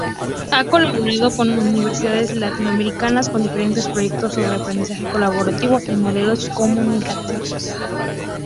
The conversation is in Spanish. Ha colaborado con universidades latinoamericanas en diferentes proyectos sobre Aprendizaje Colaborativo y Modelos Comunicativos.